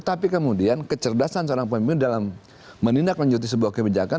tapi kemudian kecerdasan seorang pemimpin dalam menindaklanjuti sebuah kebijakan